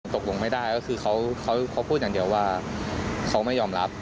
ตกลงไม่ได้ก็คือเขาพูดอย่างเดียวว่าเขาไม่ยอมรับ